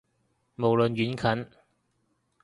無論遠近